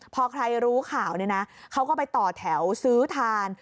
พอใครรู้ข่าวเนี่ยนะเขาก็ไปต่อแถวซื้อทาน